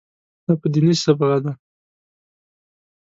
دا په دیني صبغه ده.